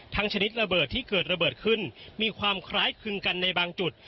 ชนิดระเบิดที่เกิดระเบิดขึ้นมีความคล้ายคลึงกันในบางจุด